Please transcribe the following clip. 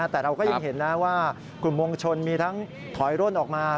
แต่เราก็ยังเห็นนะว่ากลุ่มมวลชนมีทั้งถอยร่นออกมา